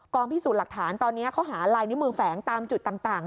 กรองพิสูจน์หลักฐานตอนเนี้ยเขาหาลายนิมือแฝงตามจุดต่างต่าง